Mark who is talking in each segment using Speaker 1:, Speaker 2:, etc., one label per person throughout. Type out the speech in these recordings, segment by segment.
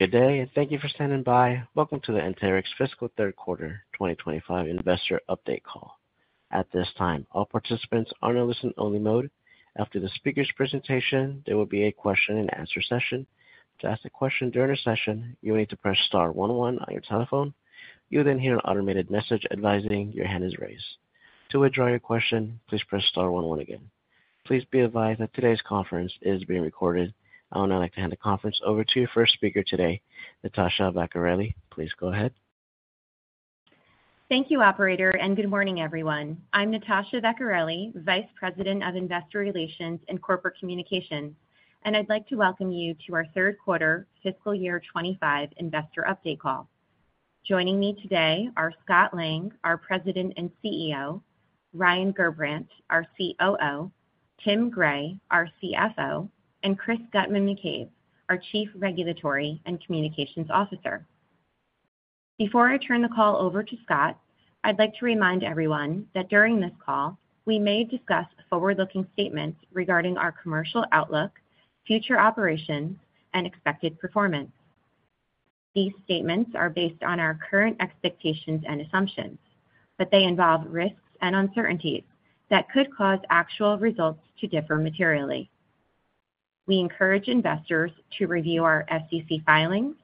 Speaker 1: Good day, and thank you for standing by. Welcome to the Anterix Fiscal Third Quarter 2025 Investor Update Call. At this time, all participants are in a listen-only mode. After the speaker's presentation, there will be a question-and-answer session. To ask a question during the session, you will need to press star one one on your telephone. You will then hear an automated message advising your hand is raised. To withdraw your question, please press star one one again. Please be advised that today's conference is being recorded, and I would now like to hand the conference over to your first speaker today, Natasha Vecchiarelli. Please go ahead.
Speaker 2: Thank you, Operator, and good morning, everyone. I'm Natasha Vecchiarelli, Vice President of Investor Relations and Corporate Communications, and I'd like to welcome you to our Third Quarter Fiscal Year 2025 Investor Update Call. Joining me today are Scott Lang, our President and CEO, Ryan Gerbrandt, our COO, Tim Gray, our CFO, and Chris Guttman-McCabe, our Chief Regulatory and Communications Officer. Before I turn the call over to Scott, I'd like to remind everyone that during this call, we may discuss forward-looking statements regarding our commercial outlook, future operations, and expected performance. These statements are based on our current expectations and assumptions, but they involve risks and uncertainties that could cause actual results to differ materially. We encourage investors to review our FCC filings,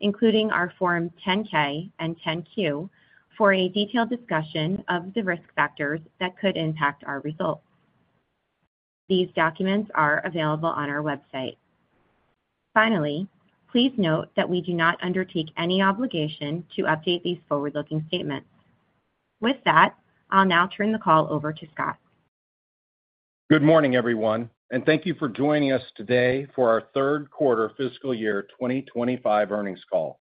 Speaker 2: including our Form 10-K and 10-Q, for a detailed discussion of the risk factors that could impact our results. These documents are available on our website. Finally, please note that we do not undertake any obligation to update these forward-looking statements. With that, I'll now turn the call over to Scott.
Speaker 3: Good morning, everyone, and thank you for joining us today for our Third Quarter Fiscal Year 2025 earnings call.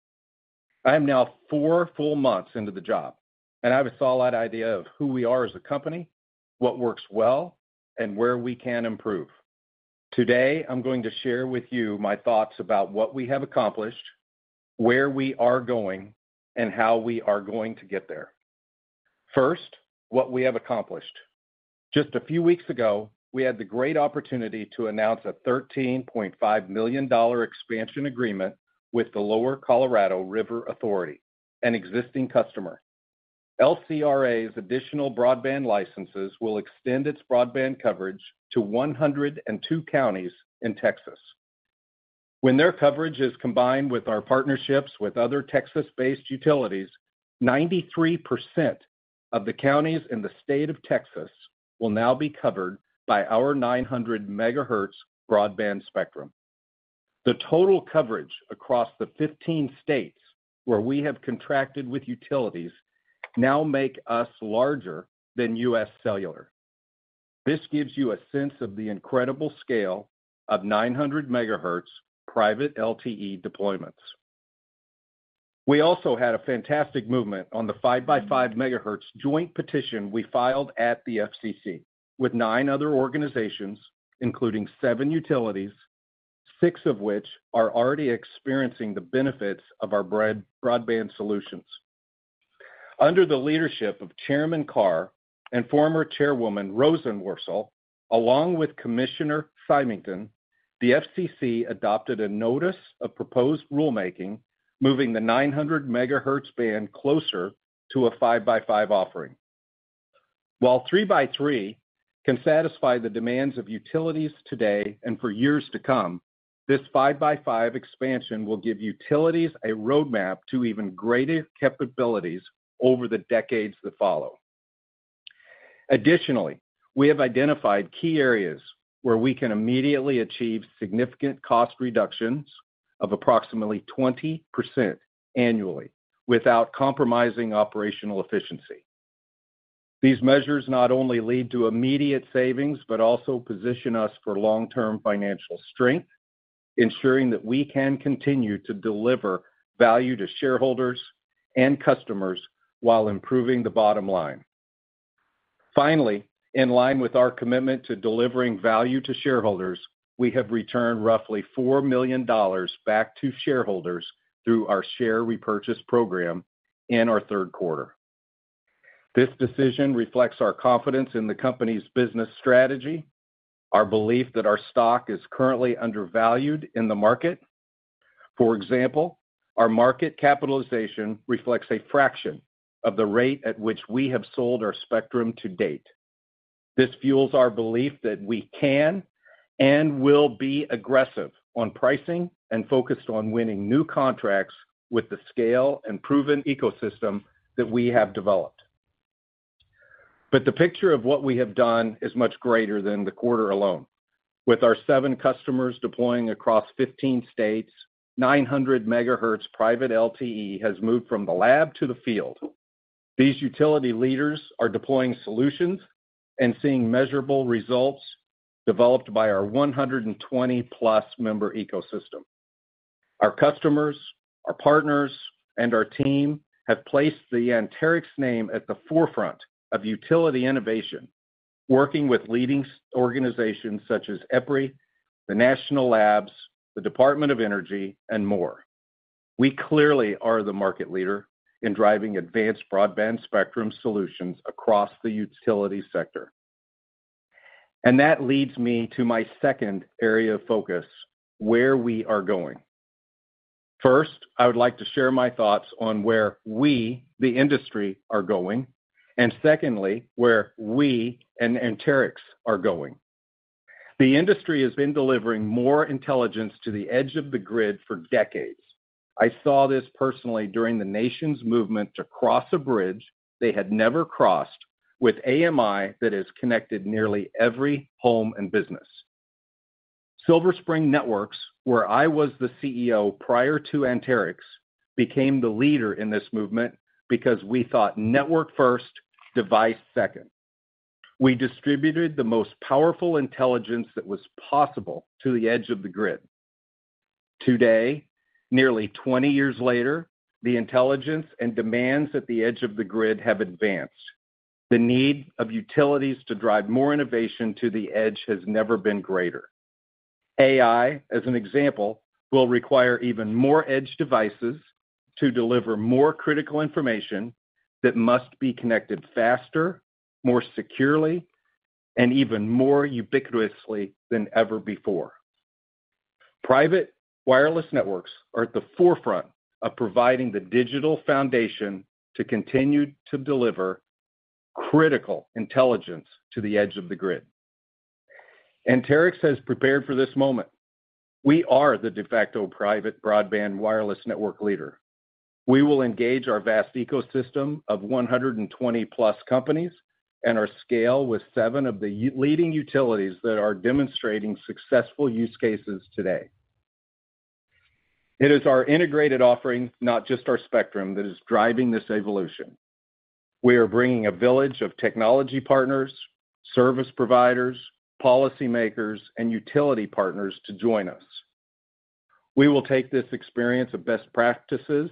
Speaker 3: I am now four full months into the job, and I have a solid idea of who we are as a company, what works well, and where we can improve. Today, I'm going to share with you my thoughts about what we have accomplished, where we are going, and how we are going to get there. First, what we have accomplished. Just a few weeks ago, we had the great opportunity to announce a $13.5 million expansion agreement with the Lower Colorado River Authority, an existing customer. LCRA's additional broadband licenses will extend its broadband coverage to 102 counties in Texas. When their coverage is combined with our partnerships with other Texas-based utilities, 93% of the counties in the state of Texas will now be covered by our 900 MHz broadband spectrum. The total coverage across the 15 states where we have contracted with utilities now makes us larger than UScellular. This gives you a sense of the incredible scale of 900 MHz private LTE deployments. We also had a fantastic movement on the 5x5 MHz joint petition we filed at the FCC with nine other organizations, including seven utilities, six of which are already experiencing the benefits of our broadband solutions. Under the leadership of Chairman Carr and former Chairwoman Rosenworcel, along with Commissioner Simington, the FCC adopted a Notice of Proposed Rulemaking moving the 900 MHz band closer to a 5x5 offering. While 3x3 can satisfy the demands of utilities today and for years to come, this 5x5 expansion will give utilities a roadmap to even greater capabilities over the decades that follow. Additionally, we have identified key areas where we can immediately achieve significant cost reductions of approximately 20% annually without compromising operational efficiency. These measures not only lead to immediate savings but also position us for long-term financial strength, ensuring that we can continue to deliver value to shareholders and customers while improving the bottom line. Finally, in line with our commitment to delivering value to shareholders, we have returned roughly $4 million back to shareholders through our share repurchase program in our third quarter. This decision reflects our confidence in the company's business strategy, our belief that our stock is currently undervalued in the market. For example, our market capitalization reflects a fraction of the rate at which we have sold our spectrum to date. This fuels our belief that we can and will be aggressive on pricing and focused on winning new contracts with the scale and proven ecosystem that we have developed. But the picture of what we have done is much greater than the quarter alone. With our seven customers deploying across 15 states, 900 MHz private LTE has moved from the lab to the field. These utility leaders are deploying solutions and seeing measurable results developed by our 120+ member ecosystem. Our customers, our partners, and our team have placed the Anterix name at the forefront of utility innovation, working with leading organizations such as EPRI, the National Labs, the Department of Energy, and more. We clearly are the market leader in driving advanced broadband spectrum solutions across the utility sector. And that leads me to my second area of focus: where we are going. First, I would like to share my thoughts on where we, the industry, are going, and secondly, where we and Anterix are going. The industry has been delivering more intelligence to the edge of the grid for decades. I saw this personally during the nation's movement to cross a bridge they had never crossed with AMI that is connected nearly every home and business. Silver Spring Networks, where I was the CEO prior to Anterix, became the leader in this movement because we thought network first, device second. We distributed the most powerful intelligence that was possible to the edge of the grid. Today, nearly 20 years later, the intelligence and demands at the edge of the grid have advanced. The need of utilities to drive more innovation to the edge has never been greater. AI, as an example, will require even more edge devices to deliver more critical information that must be connected faster, more securely, and even more ubiquitously than ever before. Private wireless networks are at the forefront of providing the digital foundation to continue to deliver critical intelligence to the edge of the grid. Anterix has prepared for this moment. We are the de facto private broadband wireless network leader. We will engage our vast ecosystem of 120+ companies and our scale with seven of the leading utilities that are demonstrating successful use cases today. It is our integrated offering, not just our spectrum, that is driving this evolution. We are bringing a village of technology partners, service providers, policymakers, and utility partners to join us. We will take this experience of best practices,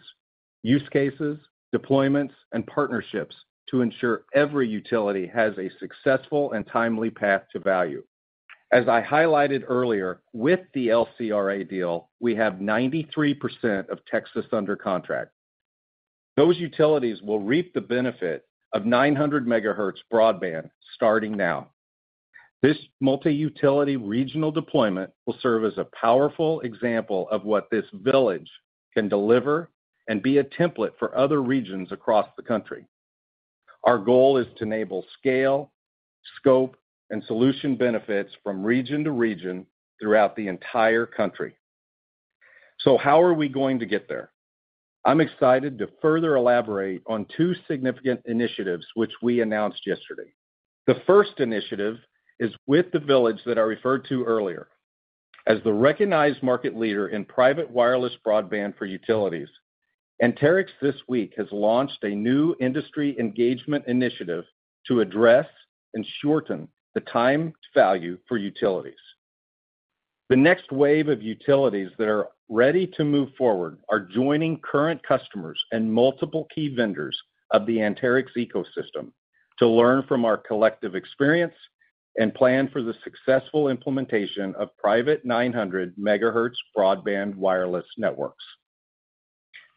Speaker 3: use cases, deployments, and partnerships to ensure every utility has a successful and timely path to value. As I highlighted earlier, with the LCRA deal, we have 93% of Texas under contract. Those utilities will reap the benefit of 900 MHz broadband starting now. This multi-utility regional deployment will serve as a powerful example of what UBBA can deliver and be a template for other regions across the country. Our goal is to enable scale, scope, and solution benefits from region to region throughout the entire country. So how are we going to get there? I'm excited to further elaborate on two significant initiatives which we announced yesterday. The first initiative is with the UBBA that I referred to earlier. As the recognized market leader in private wireless broadband for utilities, Anterix, this week, has launched a new industry engagement initiative to address and shorten the time value for utilities. The next wave of utilities that are ready to move forward are joining current customers and multiple key vendors of the Anterix ecosystem to learn from our collective experience and plan for the successful implementation of private 900 MHz broadband wireless networks.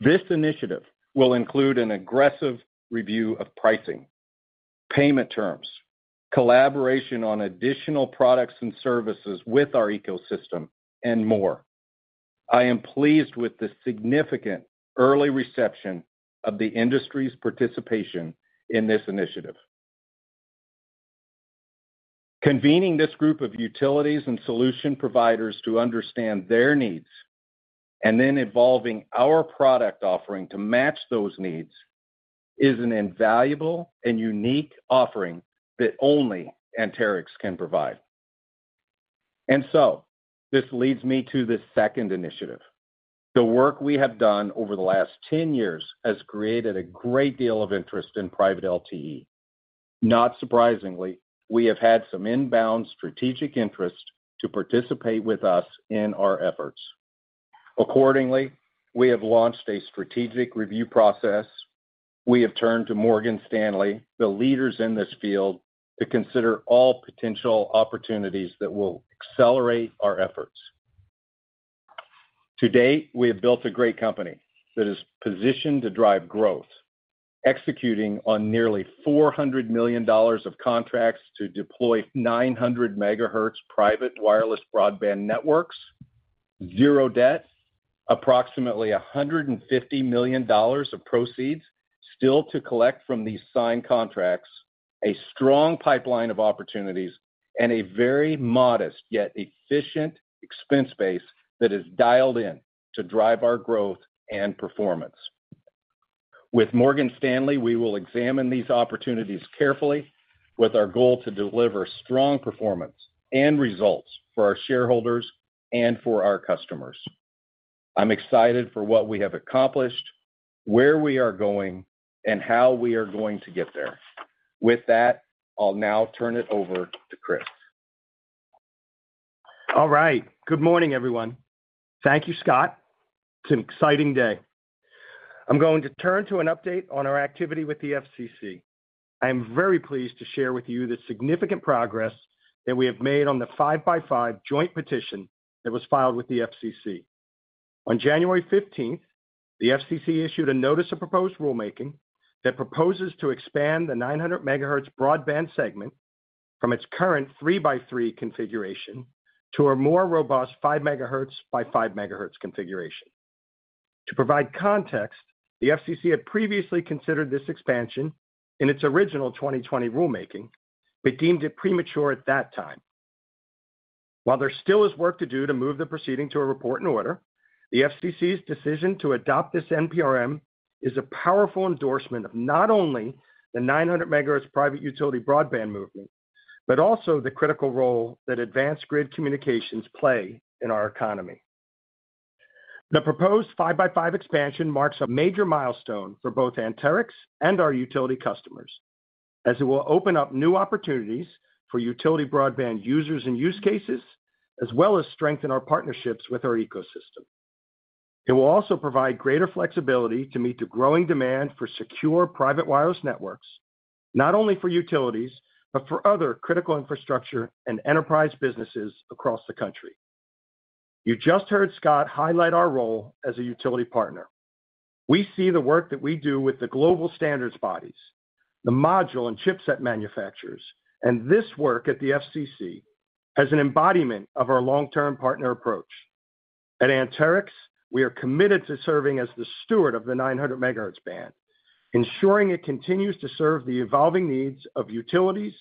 Speaker 3: This initiative will include an aggressive review of pricing, payment terms, collaboration on additional products and services with our ecosystem, and more. I am pleased with the significant early reception of the industry's participation in this initiative. Convening this group of utilities and solution providers to understand their needs and then evolving our product offering to match those needs is an invaluable and unique offering that only Anterix can provide, and so this leads me to the second initiative. The work we have done over the last 10 years has created a great deal of interest in private LTE. Not surprisingly, we have had some inbound strategic interest to participate with us in our efforts. Accordingly, we have launched a strategic review process. We have turned to Morgan Stanley, the leaders in this field, to consider all potential opportunities that will accelerate our efforts. To date, we have built a great company that is positioned to drive growth, executing on nearly $400 million of contracts to deploy 900 MHz private wireless broadband networks, zero debt, approximately $150 million of proceeds still to collect from these signed contracts, a strong pipeline of opportunities, and a very modest yet efficient expense base that is dialed in to drive our growth and performance. With Morgan Stanley, we will examine these opportunities carefully with our goal to deliver strong performance and results for our shareholders and for our customers. I'm excited for what we have accomplished, where we are going, and how we are going to get there. With that, I'll now turn it over to Chris.
Speaker 4: All right. Good morning, everyone. Thank you, Scott. It's an exciting day. I'm going to turn to an update on our activity with the FCC. I am very pleased to share with you the significant progress that we have made on the 5x5 joint petition that was filed with the FCC. On January 15th, the FCC issued a Notice of Proposed Rulemaking that proposes to expand the 900 MHz broadband segment from its current 3x3 configuration to a more robust 5 MHz by 5 MHz configuration. To provide context, the FCC had previously considered this expansion in its original 2020 rulemaking, but deemed it premature at that time. While there still is work to do to move the proceeding to a Report and Order, the FCC's decision to adopt this NPRM is a powerful endorsement of not only the 900 MHzprivate utility broadband movement, but also the critical role that advanced grid communications play in our economy. The proposed 5x5 expansion marks a major milestone for both Anterix and our utility customers, as it will open up new opportunities for utility broadband users and use cases, as well as strengthen our partnerships with our ecosystem. It will also provide greater flexibility to meet the growing demand for secure private wireless networks, not only for utilities, but for other critical infrastructure and enterprise businesses across the country. You just heard Scott highlight our role as a utility partner. We see the work that we do with the global standards bodies, the module and chipset manufacturers, and this work at the FCC as an embodiment of our long-term partner approach. At Anterix, we are committed to serving as the steward of the 900 MHz band, ensuring it continues to serve the evolving needs of utilities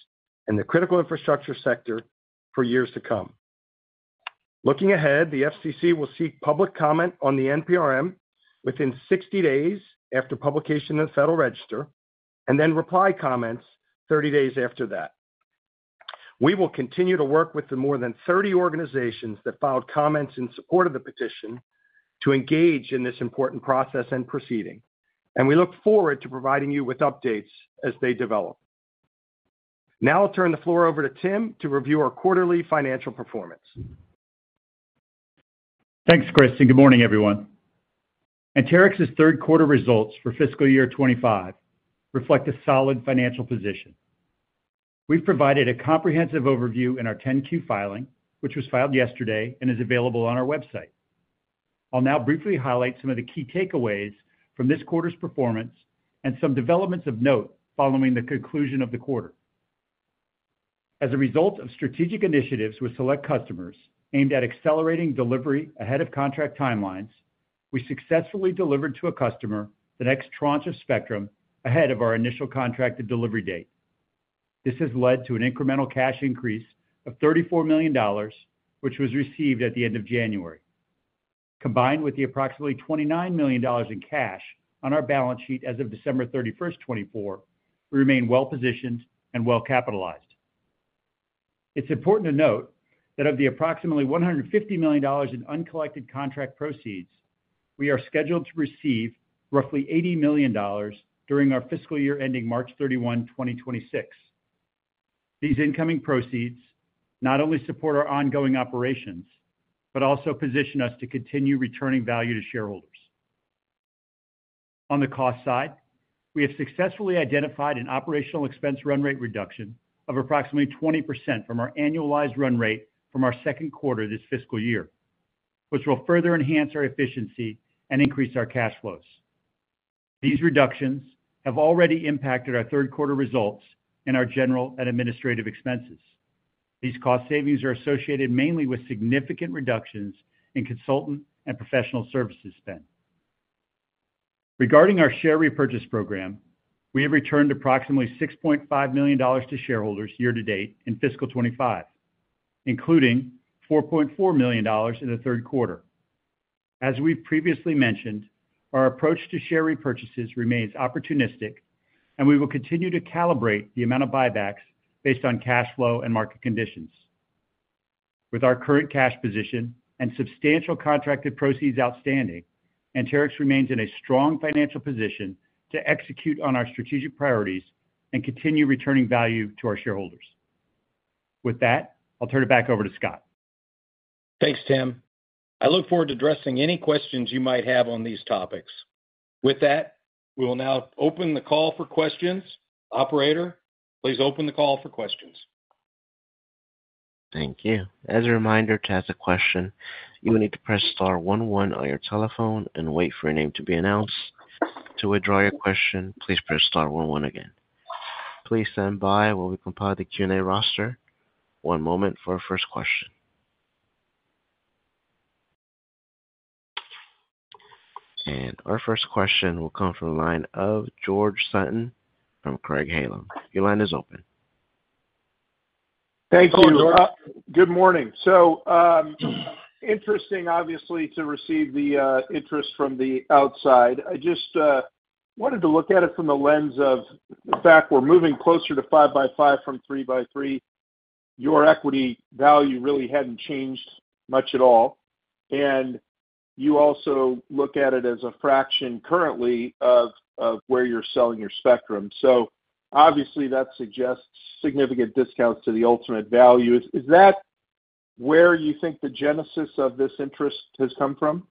Speaker 4: and the critical infrastructure sector for years to come. Looking ahead, the FCC will seek public comment on the NPRM within 60 days after publication in the Federal Register and then reply comments 30 days after that. We will continue to work with the more than 30 organizations that filed comments in support of the petition to engage in this important process and proceeding, and we look forward to providing you with updates as they develop. Now I'll turn the floor over to Tim to review our quarterly financial performance.
Speaker 5: Thanks, Chris, and good morning, everyone. Anterix's third quarter results for fiscal year 2025 reflect a solid financial position. We've provided a comprehensive overview in our 10-Q filing, which was filed yesterday and is available on our website. I'll now briefly highlight some of the key takeaways from this quarter's performance and some developments of note following the conclusion of the quarter. As a result of strategic initiatives with select customers aimed at accelerating delivery ahead of contract timelines, we successfully delivered to a customer the next tranche of spectrum ahead of our initial contracted delivery date. This has led to an incremental cash increase of $34 million, which was received at the end of January. Combined with the approximately $29 million in cash on our balance sheet as of December 31st, 2024, we remain well-positioned and well-capitalized. It's important to note that of the approximately $150 million in uncollected contract proceeds, we are scheduled to receive roughly $80 million during our fiscal year ending March 31, 2026. These incoming proceeds not only support our ongoing operations, but also position us to continue returning value to shareholders. On the cost side, we have successfully identified an operational expense run rate reduction of approximately 20% from our annualized run rate from our second quarter this fiscal year, which will further enhance our efficiency and increase our cash flows. These reductions have already impacted our third quarter results and our general and administrative expenses. These cost savings are associated mainly with significant reductions in consultant and professional services spend. Regarding our share repurchase program, we have returned approximately $6.5 million to shareholders year to date in fiscal 2025, including $4.4 million in the third quarter. As we've previously mentioned, our approach to share repurchases remains opportunistic, and we will continue to calibrate the amount of buybacks based on cash flow and market conditions. With our current cash position and substantial contracted proceeds outstanding, Anterix remains in a strong financial position to execute on our strategic priorities and continue returning value to our shareholders. With that, I'll turn it back over to Scott.
Speaker 4: Thanks, Tim. I look forward to addressing any questions you might have on these topics. With that, we will now open the call for questions. Operator, please open the call for questions.
Speaker 1: Thank you. As a reminder, to ask a question, you will need to press star one one on your telephone and wait for your name to be announced. To withdraw your question, please press star one one again. Please stand by while we compile the Q&A roster. One moment for our first question. And our first question will come from the line of George Sutton from Craig-Hallum. Your line is open.
Speaker 6: Thank you. Thank you, Laura. Good morning. So interesting, obviously, to receive the interest from the outside. I just wanted to look at it from the lens of the fact we're moving closer to 5x5 from 3x3. Your equity value really hadn't changed much at all. And you also look at it as a fraction currently of where you're selling your spectrum. So obviously, that suggests significant discounts to the ultimate value. Is that where you think the genesis of this interest has come from?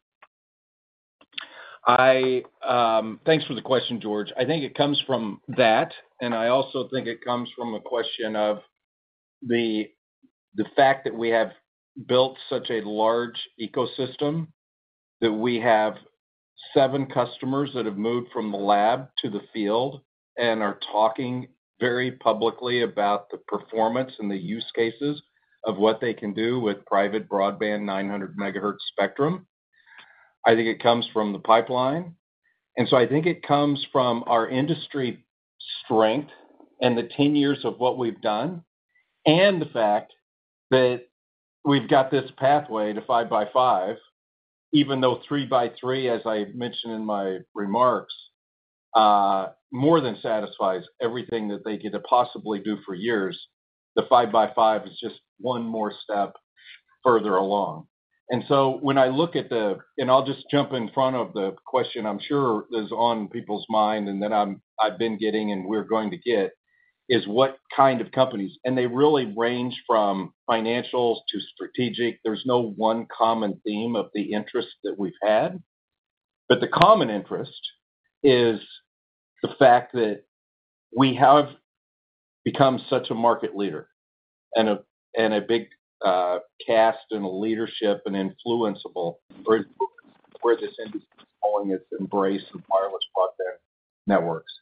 Speaker 3: Thanks for the question, George. I think it comes from that, and I also think it comes from a question of the fact that we have built such a large ecosystem that we have seven customers that have moved from the lab to the field and are talking very publicly about the performance and the use cases of what they can do with private broadband 900 MHz spectrum. I think it comes from the pipeline, and so I think it comes from our industry strength and the 10 years of what we've done and the fact that we've got this pathway to 5x5, even though 3x3, as I mentioned in my remarks, more than satisfies everything that they could have possibly done for years. The 5x5 is just one more step further along. And so when I look at the - and I'll just jump in front of the question I'm sure is on people's mind and that I've been getting and we're going to get - is what kind of companies? And they really range from financials to strategic. There's no one common theme of the interest that we've had. But the common interest is the fact that we have become such a market leader and a big asset and a leadership and influential for where this industry is going is the embrace of wireless broadband networks.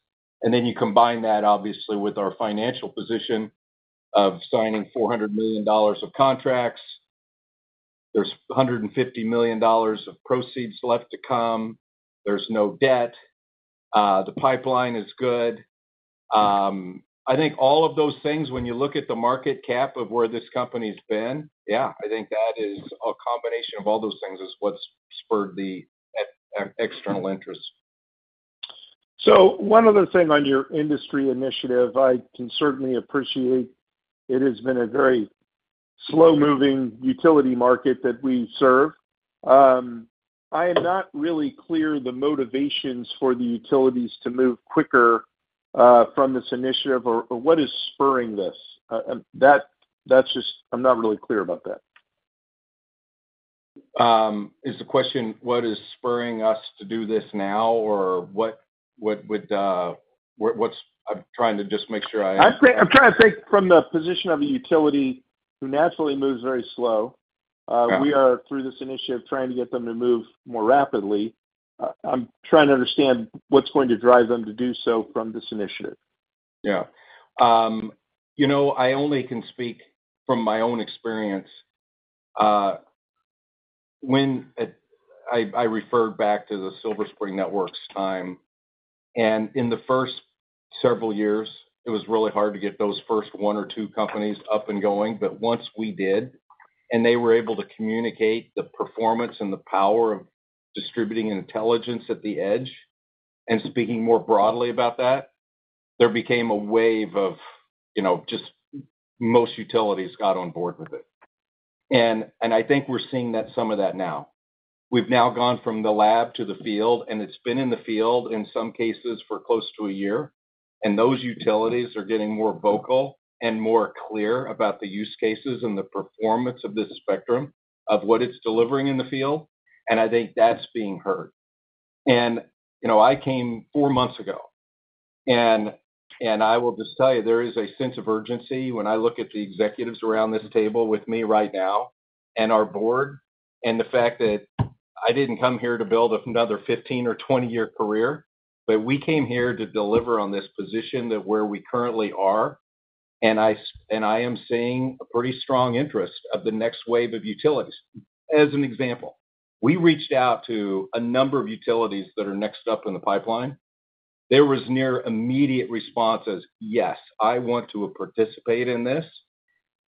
Speaker 3: And then you combine that, obviously, with our financial position of signing $400 million of contracts. There's $150 million of proceeds left to come. There's no debt. The pipeline is good. I think all of those things, when you look at the market cap of where this company's been, yeah, I think that is a combination of all those things is what's spurred the external interest.
Speaker 6: So one other thing on your industry initiative, I can certainly appreciate it has been a very slow-moving utility market that we serve. I am not really clear the motivations for the utilities to move quicker from this initiative or what is spurring this. I'm not really clear about that.
Speaker 3: Is the question what is spurring us to do this now, or what I'm trying to just make sure I understand?
Speaker 6: I'm trying to think from the position of a utility who naturally moves very slow. We are, through this initiative, trying to get them to move more rapidly. I'm trying to understand what's going to drive them to do so from this initiative.
Speaker 3: Yeah. I only can speak from my own experience. I referred back to the Silver Spring Networks time. And in the first several years, it was really hard to get those first one or two companies up and going. But once we did, and they were able to communicate the performance and the power of distributing intelligence at the edge and speaking more broadly about that, there became a wave of just most utilities got on board with it. And I think we're seeing some of that now. We've now gone from the lab to the field, and it's been in the field in some cases for close to a year. And those utilities are getting more vocal and more clear about the use cases and the performance of this spectrum of what it's delivering in the field. And I think that's being heard. And I came four months ago. I will just tell you, there is a sense of urgency when I look at the executives around this table with me right now and our board and the fact that I didn't come here to build another 15 or 20-year career, but we came here to deliver on this position to where we currently are. I am seeing a pretty strong interest of the next wave of utilities. As an example, we reached out to a number of utilities that are next up in the pipeline. There was near immediate response as, "Yes, I want to participate in this,"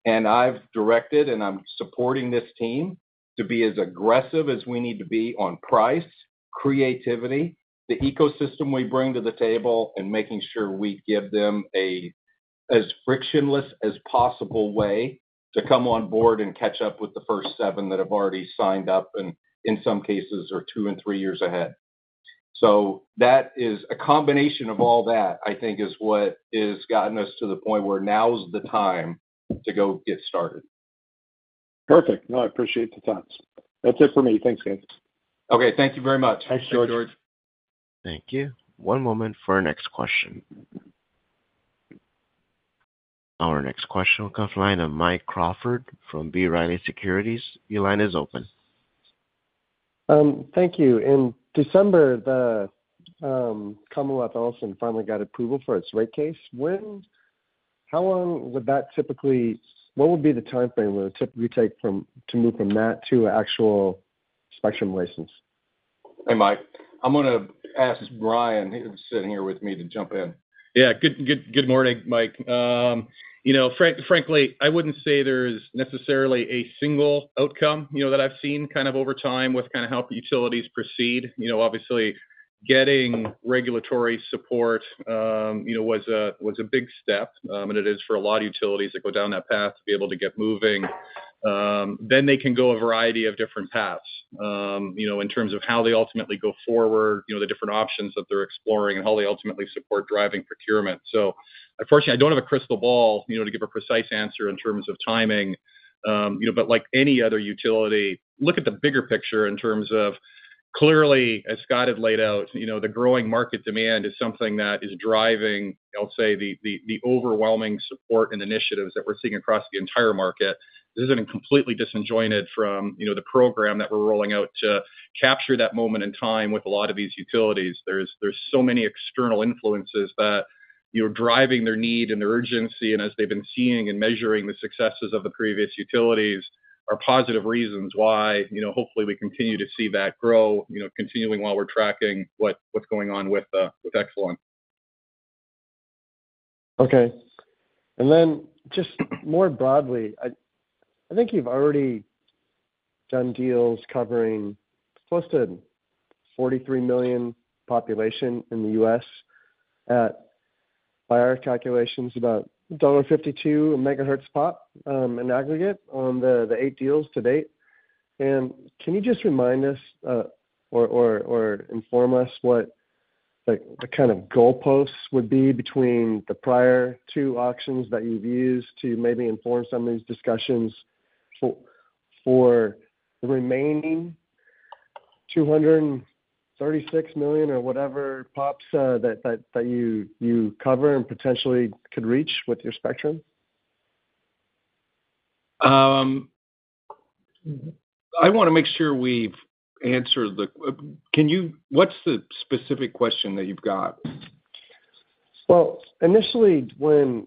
Speaker 3: and I've directed, and I'm supporting this team to be as aggressive as we need to be on price, creativity, the ecosystem we bring to the table, and making sure we give them as frictionless as possible way to come on board and catch up with the first seven that have already signed up and in some cases are two and three years ahead, so that is a combination of all that, I think, is what has gotten us to the point where now is the time to go get started.
Speaker 6: Perfect. No, I appreciate the thoughts. That's it for me. Thanks, guys.
Speaker 3: Okay. Thank you very much.
Speaker 4: Thanks, George.
Speaker 1: Thank you. One moment for our next question. Our next question will come from the line of Mike Crawford from B. Riley Securities. Your line is open.
Speaker 7: Thank you. In December, the Commonwealth Edison finally got approval for its rate case. How long would that typically—what would be the timeframe it would typically take to move from that to an actual spectrum license?
Speaker 3: Hey, Mike. I'm going to ask Ryan. He's sitting here with me to jump in.
Speaker 8: Yeah. Good morning, Mike. Frankly, I wouldn't say there's necessarily a single outcome that I've seen kind of over time with kind of how utilities proceed. Obviously, getting regulatory support was a big step, and it is for a lot of utilities that go down that path to be able to get moving. Then they can go a variety of different paths in terms of how they ultimately go forward, the different options that they're exploring, and how they ultimately support driving procurement. So unfortunately, I don't have a crystal ball to give a precise answer in terms of timing. But like any other utility, look at the bigger picture in terms of clearly, as Scott had laid out, the growing market demand is something that is driving, I'll say, the overwhelming support and initiatives that we're seeing across the entire market. This isn't completely disjointed from the program that we're rolling out to capture that moment in time with a lot of these utilities. There's so many external influences that are driving their need and their urgency. And as they've been seeing and measuring the successes of the previous utilities are positive reasons why hopefully we continue to see that grow, continuing while we're tracking what's going on with Exelon.
Speaker 7: Okay. And then just more broadly, I think you've already done deals covering close to 43 million population in the U.S. at, by our calculations, about $1.52 a MHz pop in aggregate on the eight deals to date. And can you just remind us or inform us what the kind of goalposts would be between the prior two auctions that you've used to maybe inform some of these discussions for the remaining 236 million or whatever pops that you cover and potentially could reach with your spectrum?
Speaker 3: I want to make sure we've answered the, what's the specific question that you've got?
Speaker 7: Initially, when.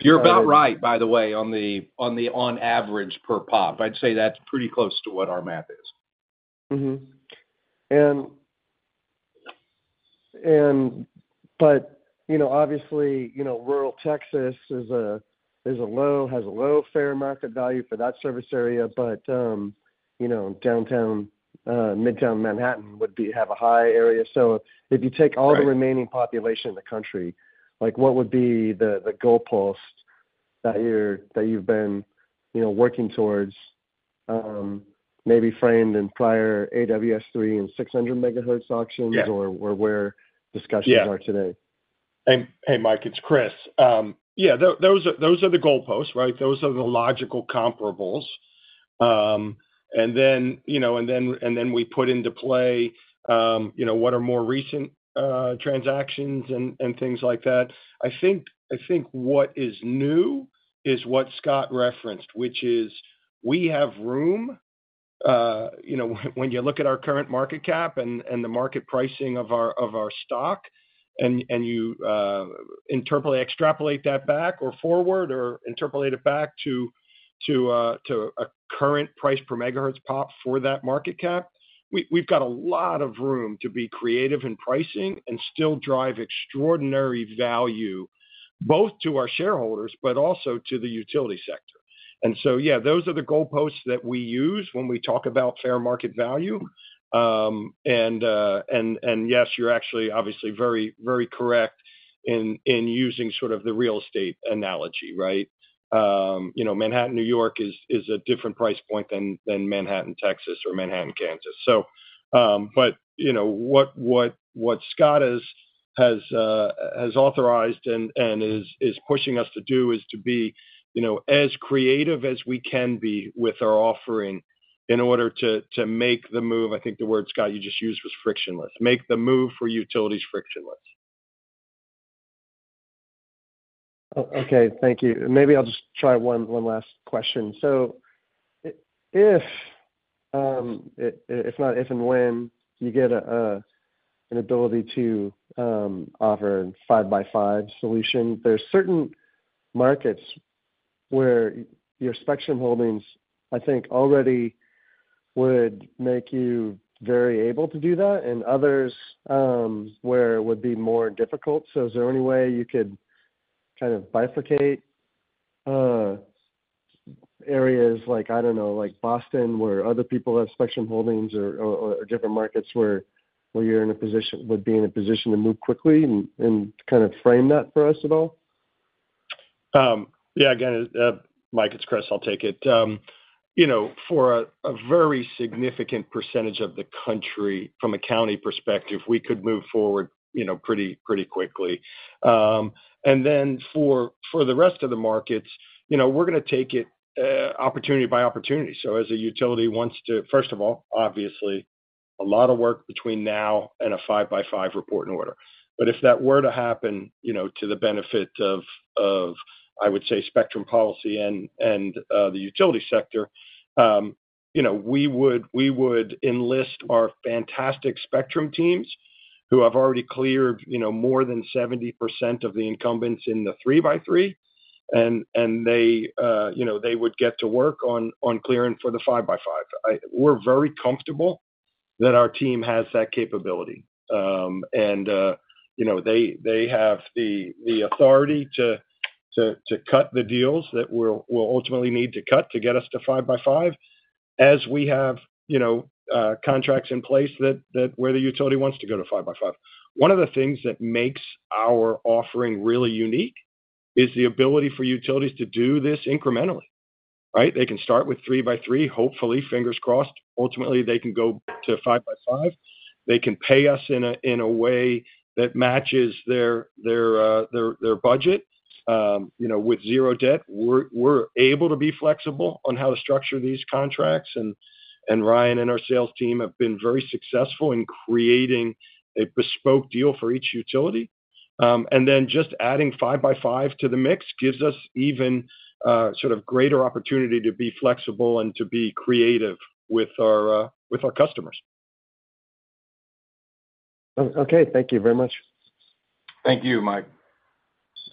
Speaker 8: You're about right, by the way, on the average per pop. I'd say that's pretty close to what our math is.
Speaker 7: And but obviously, rural Texas has a low fair market value for that service area. But downtown, Midtown Manhattan would have a high area. So if you take all the remaining population in the country, what would be the goalposts that you've been working towards, maybe framed in prior AWS-3 and 600 MHz auctions or where discussions are today?
Speaker 4: Hey, Mike, it's Chris. Yeah, those are the goalposts, right? Those are the logical comparables. And then we put into play what are more recent transactions and things like that. I think what is new is what Scott referenced, which is we have room when you look at our current market cap and the market pricing of our stock, and you extrapolate that back or forward or interpolate it back to a current price per MHz pop for that market cap. We've got a lot of room to be creative in pricing and still drive extraordinary value both to our shareholders but also to the utility sector. And so, yeah, those are the goalposts that we use when we talk about fair market value. And yes, you're actually obviously very correct in using sort of the real estate analogy, right? Manhattan, New York is a different price point than Manhattan, Texas, or Manhattan, Kansas. But what Scott has authorized and is pushing us to do is to be as creative as we can be with our offering in order to make the move - I think the word Scott you just used was frictionless - make the move for utilities frictionless.
Speaker 7: Okay. Thank you. Maybe I'll just try one last question. So, if and when you get an ability to offer a 5x5 solution, there are certain markets where your spectrum holdings, I think, already would make you very able to do that, and others where it would be more difficult. So is there any way you could kind of bifurcate areas like, I don't know, like Boston where other people have spectrum holdings or different markets where you're in a position to move quickly and kind of frame that for us at all?
Speaker 4: Yeah. Again, Mike, it's Chris. I'll take it. For a very significant percentage of the country, from a county perspective, we could move forward pretty quickly. And then for the rest of the markets, we're going to take it opportunity by opportunity. So as a utility wants to, first of all, obviously, a lot of work between now and a 5x5 Report and Order. But if that were to happen to the benefit of, I would say, spectrum policy and the utility sector, we would enlist our fantastic spectrum teams who have already cleared more than 70% of the incumbents in the 3x3, and they would get to work on clearing for the 5x5. We're very comfortable that our team has that capability. They have the authority to cut the deals that we'll ultimately need to cut to get us to 5x5 as we have contracts in place where the utility wants to go to 5x5. One of the things that makes our offering really unique is the ability for utilities to do this incrementally, right? They can start with 3x3, hopefully, fingers crossed. Ultimately, they can go to 5x5. They can pay us in a way that matches their budget with zero debt. We're able to be flexible on how to structure these contracts. And Ryan and our sales team have been very successful in creating a bespoke deal for each utility. And then just adding 5x5 to the mix gives us even sort of greater opportunity to be flexible and to be creative with our customers.
Speaker 7: Okay. Thank you very much.
Speaker 4: Thank you, Mike.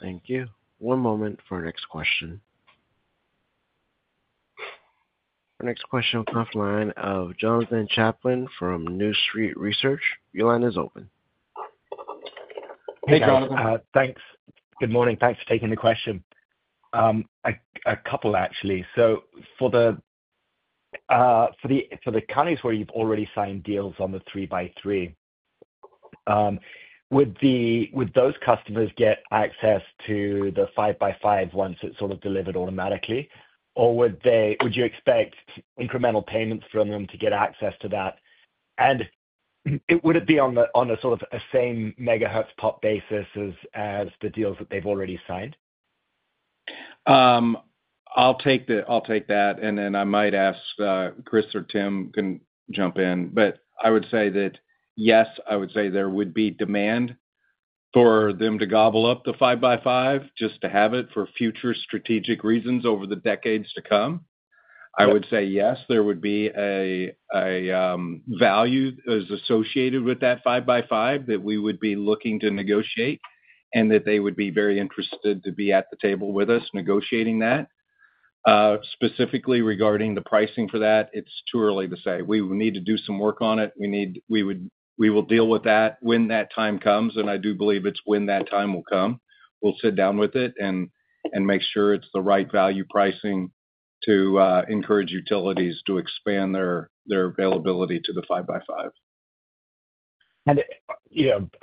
Speaker 1: Thank you. One moment for our next question. Our next question will come from the line of Jonathan Chaplin from New Street Research. Your line is open.
Speaker 9: Hey, Jonathan. Thanks. Good morning. Thanks for taking the question. A couple, actually. So for the counties where you've already signed deals on the 3x3, would those customers get access to the 5x5 once it's sort of delivered automatically, or would you expect incremental payments from them to get access to that? And would it be on a sort of same megahertz pop basis as the deals that they've already signed?
Speaker 3: I'll take that. And then I might ask Chris or Tim can jump in. But I would say that, yes, I would say there would be demand for them to gobble up the 5x5 just to have it for future strategic reasons over the decades to come. I would say, yes, there would be a value associated with that 5x5 that we would be looking to negotiate and that they would be very interested to be at the table with us negotiating that. Specifically regarding the pricing for that, it's too early to say. We will need to do some work on it. We will deal with that when that time comes. And I do believe it's when that time will come, we'll sit down with it and make sure it's the right value pricing to encourage utilities to expand their availability to the 5x5.
Speaker 9: And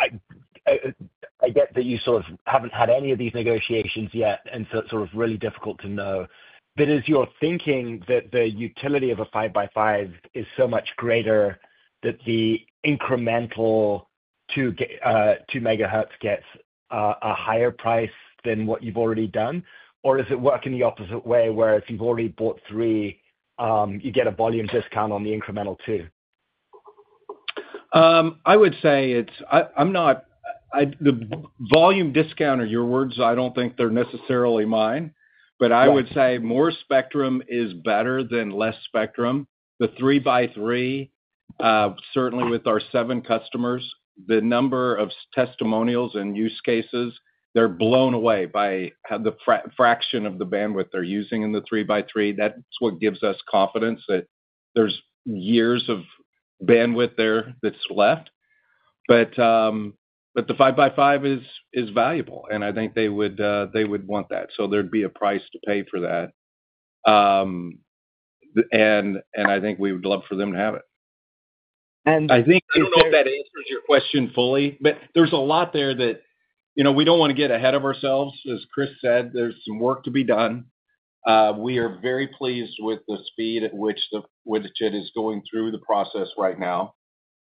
Speaker 9: I get that you sort of haven't had any of these negotiations yet, and so it's sort of really difficult to know. But is your thinking that the utility of a 5x5 is so much greater that the incremental 2 MHz gets a higher price than what you've already done? Or is it working the opposite way where if you've already bought three, you get a volume discount on the incremental two?
Speaker 3: I would say it's the volume discount are your words. I don't think they're necessarily mine, but I would say more spectrum is better than less spectrum. The 3x3, certainly with our seven customers, the number of testimonials and use cases, they're blown away by the fraction of the bandwidth they're using in the 3x3. That's what gives us confidence that there's years of bandwidth there that's left, but the 5x5 is valuable, and I think they would want that. So there'd be a price to pay for that, and I think we would love for them to have it.
Speaker 9: And.
Speaker 8: I think I hope that answers your question fully. But there's a lot there that we don't want to get ahead of ourselves. As Chris said, there's some work to be done. We are very pleased with the speed at which the NPRM is going through the process right now.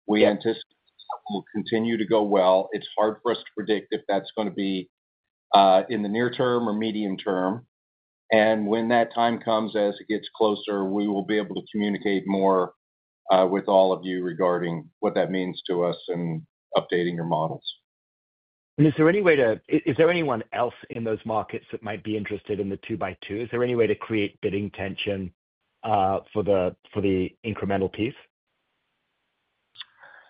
Speaker 8: We anticipate it will continue to go well. It's hard for us to predict if that's going to be in the near term or medium term, and when that time comes, as it gets closer, we will be able to communicate more with all of you regarding what that means to us and updating your models.
Speaker 9: And is there anyone else in those markets that might be interested in the 2x2? Is there any way to create bidding tension for the incremental piece?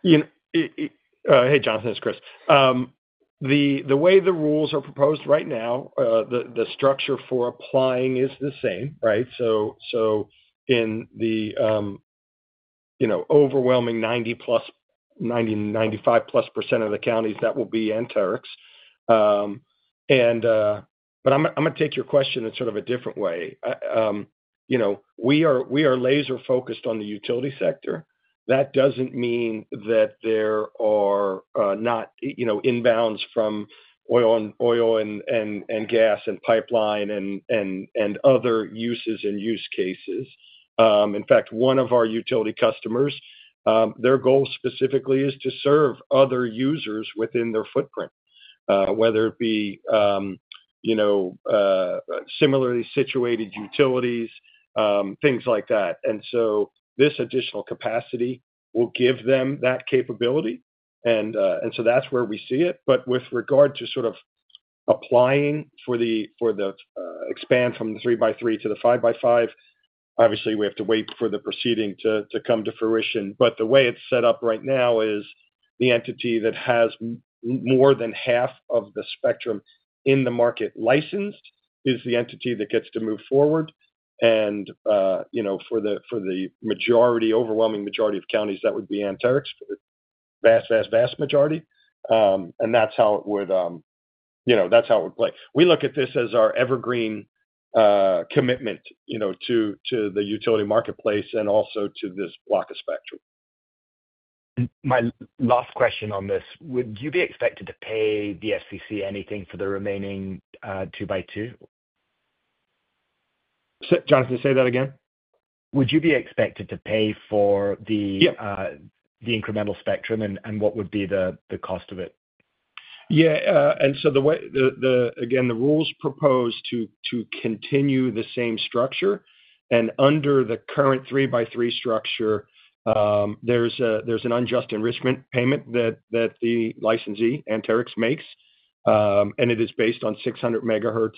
Speaker 4: Hey, Jonathan, it's Chris. The way the rules are proposed right now, the structure for applying is the same, right? So in the overwhelming 90+, 95+% of the counties, that will be Anterix. But I'm going to take your question in sort of a different way. We are laser-focused on the utility sector. That doesn't mean that there are not inbounds from oil and gas and pipeline and other uses and use cases. In fact, one of our utility customers, their goal specifically is to serve other users within their footprint, whether it be similarly situated utilities, things like that. And so this additional capacity will give them that capability. And so that's where we see it. But with regard to sort of applying for the expand from the 3x3 to the 5x5, obviously, we have to wait for the proceeding to come to fruition. But the way it's set up right now is the entity that has more than half of the spectrum in the market licensed is the entity that gets to move forward. And for the overwhelming majority of counties, that would be Anterix, for the vast, vast, vast majority. And that's how it would—that's how it would play. We look at this as our evergreen commitment to the utility marketplace and also to this block of spectrum.
Speaker 9: My last question on this: would you be expected to pay the FCC anything for the remaining 2x2?
Speaker 4: Jonathan, say that again.
Speaker 9: Would you be expected to pay for the incremental spectrum, and what would be the cost of it?
Speaker 4: Yeah. And so the way, again, the rules propose to continue the same structure. And under the current 3x3 structure, there's an unjust enrichment payment that the licensee, Anterix, makes. And it is based on 600 MHz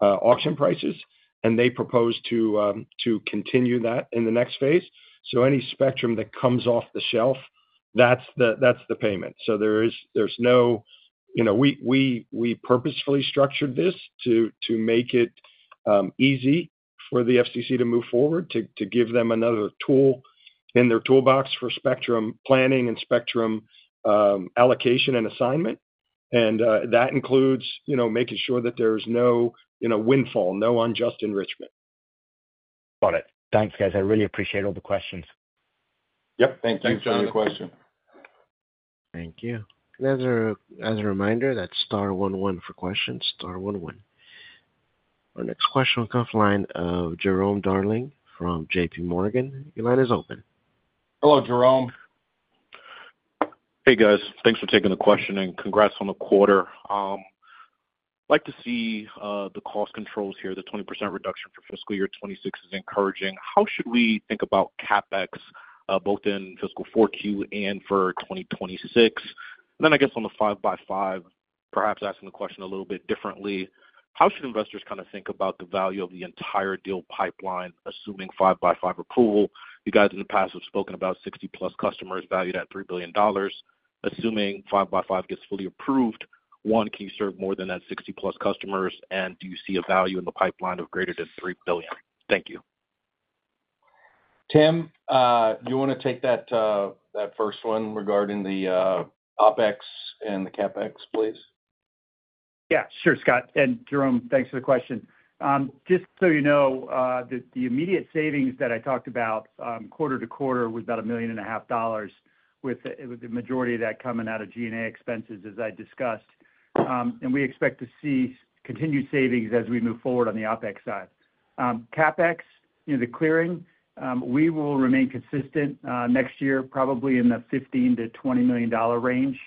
Speaker 4: auction prices. And they propose to continue that in the next phase. So any spectrum that comes off the shelf, that's the payment. So there's no, we purposefully structured this to make it easy for the FCC to move forward, to give them another tool in their toolbox for spectrum planning and spectrum allocation and assignment. And that includes making sure that there's no windfall, no unjust enrichment.
Speaker 9: Got it. Thanks, guys. I really appreciate all the questions.
Speaker 4: Yep. Thank you, John.
Speaker 9: Thanks for the question.
Speaker 1: Thank you. And as a reminder, that's star one one for questions. Star one one. Our next question will come from the line of Jerome Darling from JPMorgan. Your line is open.
Speaker 3: Hello, Jerome.
Speaker 10: Hey, guys. Thanks for taking the question, and congrats on the quarter. I'd like to see the cost controls here. The 20% reduction for fiscal year 2026 is encouraging. How should we think about CapEx, both in fiscal 4Q and for 2026? And then I guess on the 5x5, perhaps asking the question a little bit differently, how should investors kind of think about the value of the entire deal pipeline, assuming 5x5 approval? You guys in the past have spoken about 60+ customers valued at $3 billion. Assuming 5x5 gets fully approved, one, can you serve more than that 60+ customers? And do you see a value in the pipeline of greater than $3 billion? Thank you.
Speaker 3: Tim, do you want to take that first one regarding the OpEx and the CapEx, please?
Speaker 5: Yeah. Sure, Scott. And Jerome, thanks for the question. Just so you know, the immediate savings that I talked about quarter to quarter was about $1.5 million, with the majority of that coming out of G&A expenses, as I discussed. And we expect to see continued savings as we move forward on the OpEx side. CapEx, the clearing, we will remain consistent next year, probably in the $15-$20 million range,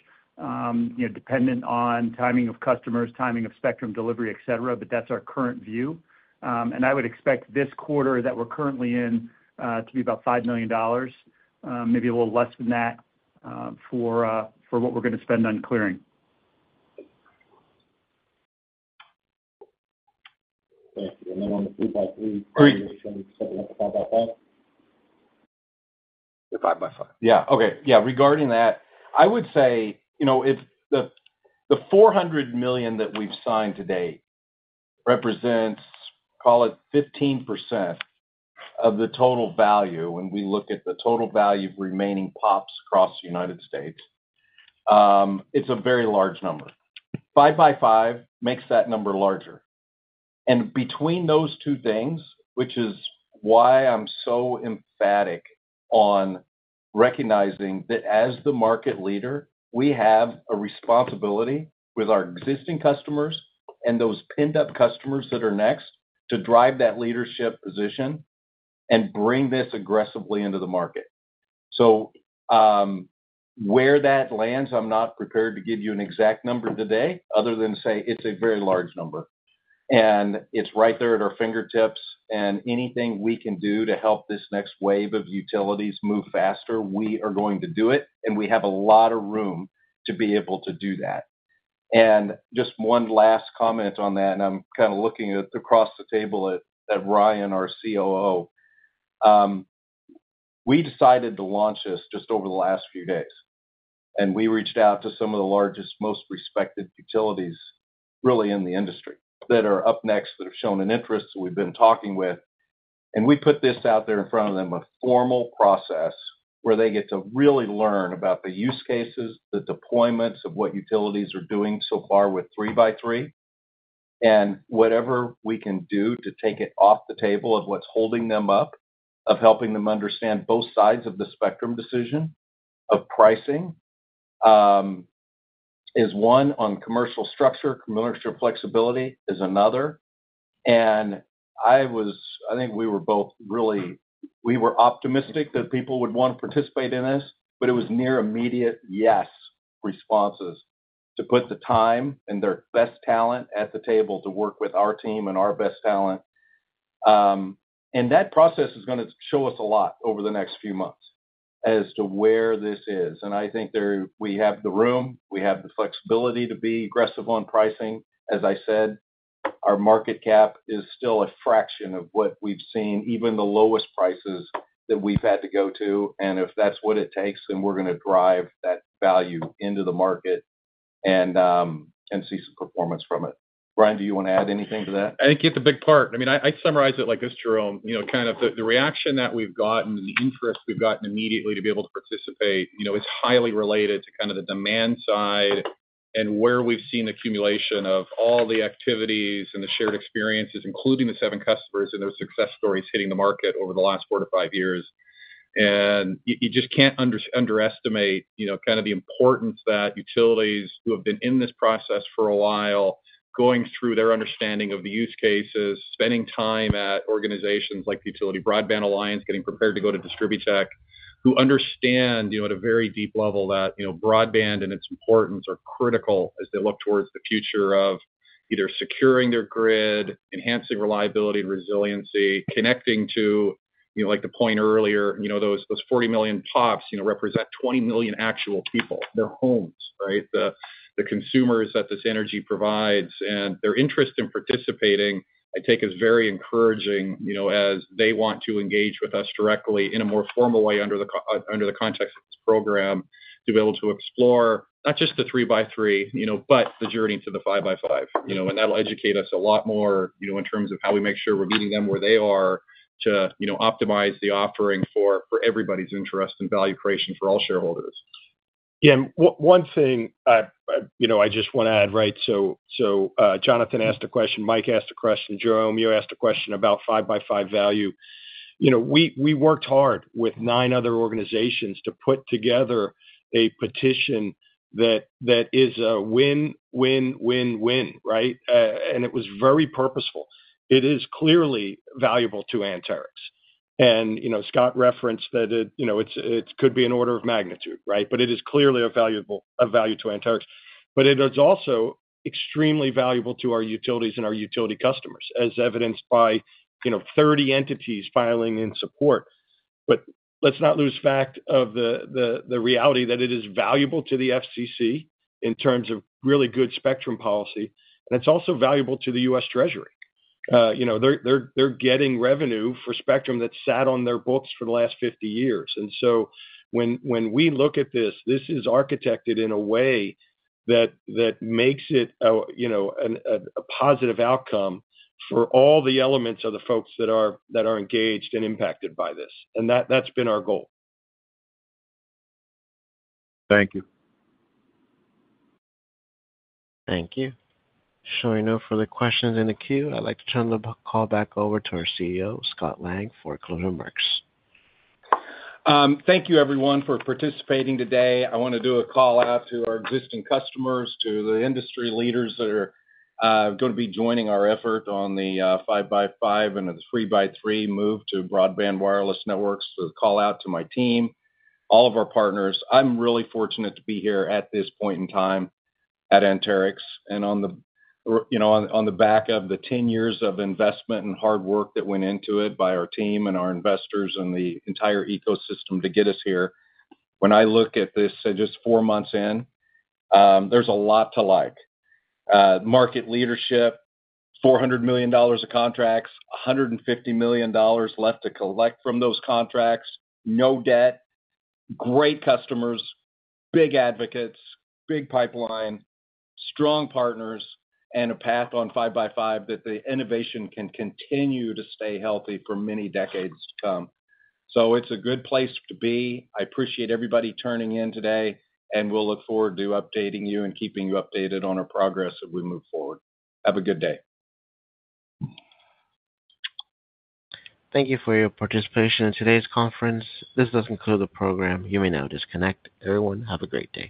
Speaker 5: dependent on timing of customers, timing of spectrum delivery, etc. But that's our current view. And I would expect this quarter that we're currently in to be about $5 million, maybe a little less than that for what we're going to spend on clearing.
Speaker 10: Thank you. And then on the 3x3, something like the 5x5?
Speaker 3: The 5x5. Yeah. Okay. Yeah. Regarding that, I would say if the $400 million that we've signed today represents, call it, 15% of the total value, when we look at the total value of remaining pops across the United States, it's a very large number. 5x5 makes that number larger. And between those two things, which is why I'm so emphatic on recognizing that as the market leader, we have a responsibility with our existing customers and those pinned-up customers that are next to drive that leadership position and bring this aggressively into the market. So where that lands, I'm not prepared to give you an exact number today other than say it's a very large number. And it's right there at our fingertips. And anything we can do to help this next wave of utilities move faster, we are going to do it. And we have a lot of room to be able to do that. And just one last comment on that, and I'm kind of looking across the table at Ryan, our COO. We decided to launch this just over the last few days. And we reached out to some of the largest, most respected utilities, really, in the industry that are up next, that have shown an interest. So we've been talking with. And we put this out there in front of them, a formal process where they get to really learn about the use cases, the deployments of what utilities are doing so far with 3x3, and whatever we can do to take it off the table of what's holding them up, of helping them understand both sides of the spectrum decision of pricing is one on commercial structure, commercial flexibility is another. I think we were both really optimistic that people would want to participate in this, but it was near immediate yes responses to put the time and their best talent at the table to work with our team and our best talent. That process is going to show us a lot over the next few months as to where this is. I think we have the room. We have the flexibility to be aggressive on pricing. As I said, our market cap is still a fraction of what we've seen, even the lowest prices that we've had to go to. If that's what it takes, then we're going to drive that value into the market and see some performance from it. Ryan, do you want to add anything to that?
Speaker 8: I think you hit the big part. I mean, I'd summarize it like this, Jerome. Kind of the reaction that we've gotten and the interest we've gotten immediately to be able to participate is highly related to kind of the demand side and where we've seen the accumulation of all the activities and the shared experiences, including the seven customers and their success stories hitting the market over the last four to five years. You just can't underestimate kind of the importance that utilities who have been in this process for a while, going through their understanding of the use cases, spending time at organizations like the Utility Broadband Alliance, getting prepared to go to DISTRIBUTECH, who understand at a very deep level that broadband and its importance are critical as they look towards the future of either securing their grid, enhancing reliability and resiliency, connecting to, like the point earlier, those 40 million pops represent 20 million actual people, their homes, right? The consumers that this energy provides. And their interest in participating, I take as very encouraging as they want to engage with us directly in a more formal way under the context of this program to be able to explore not just the 3x3, but the journey to the 5x5. And that'll educate us a lot more in terms of how we make sure we're meeting them where they are to optimize the offering for everybody's interest and value creation for all shareholders.
Speaker 4: Yeah. One thing I just want to add, right? So Jonathan asked a question. Mike asked a question. Jerome, you asked a question about 5x5 value. We worked hard with nine other organizations to put together a petition that is a win, win, win, win, right? And it was very purposeful. It is clearly valuable to Anterix. And Scott referenced that it could be an order of magnitude, right? But it is clearly of value to Anterix. But it is also extremely valuable to our utilities and our utility customers, as evidenced by 30 entities filing in support. But let's not lose sight of the reality that it is valuable to the FCC in terms of really good spectrum policy. And it's also valuable to the U.S. Treasury. They're getting revenue for spectrum that sat on their books for the last 50 years. And so when we look at this, this is architected in a way that makes it a positive outcome for all the elements of the folks that are engaged and impacted by this. And that's been our goal.
Speaker 10: Thank you.
Speaker 1: Thank you. Showing no further questions in the queue, I'd like to turn the call back over to our CEO, Scott Lang, for a closing remarks.
Speaker 3: Thank you, everyone, for participating today. I want to do a call out to our existing customers, to the industry leaders that are going to be joining our effort on the 5x5 and the 3x3 move to broadband wireless networks, a call out to my team, all of our partners. I'm really fortunate to be here at this point in time at Anterix. On the back of the 10 years of investment and hard work that went into it by our team and our investors and the entire ecosystem to get us here, when I look at this just four months in, there's a lot to like. Market leadership, $400 million of contracts, $150 million left to collect from those contracts, no debt, great customers, big advocates, big pipeline, strong partners, and a path on 5x5 that the innovation can continue to stay healthy for many decades to come. It's a good place to be. I appreciate everybody turning in today. We'll look forward to updating you and keeping you updated on our progress as we move forward. Have a good day.
Speaker 1: Thank you for your participation in today's conference. This does conclude the program. You may now disconnect. Everyone, have a great day.